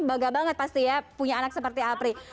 bangga banget pasti ya punya anak seperti apri